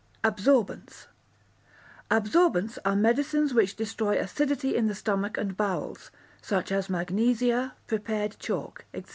Absorbents Absorbents are medicines which destroy acidity in the stomach and bowels, such as magnesia, prepared chalk, &c.